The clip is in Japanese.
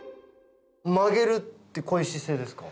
曲げるってこういう姿勢ですか？